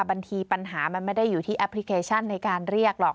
ปัญหามันไม่ได้อยู่ที่แอปพลิเคชันในการเรียกหรอก